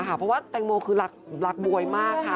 เพราะว่าแตงโมคือรักบ๊วยมากค่ะ